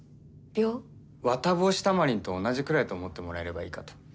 ワタボウシタマリンと同じくらいと思ってもらえればいいかと。